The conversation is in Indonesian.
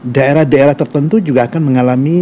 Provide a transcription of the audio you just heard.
daerah daerah tertentu juga akan mengalami